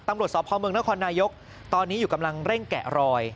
ตำรวจสพเมืองนครนายกตอนนี้อยู่กำลังเร่งแกะรอย